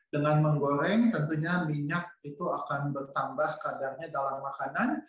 dengan menggoreng tentunya minyak itu akan bertambah kadarnya dalam makanan